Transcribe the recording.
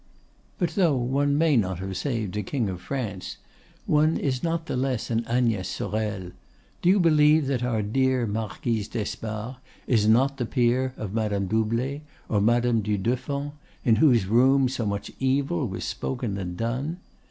But though one may not have saved a King of France, one is not the less an Agnès Sorel. Do you believe that our dear Marquise d'Espard is not the peer of Madame Doublet, or Madame du Deffant, in whose rooms so much evil was spoken and done?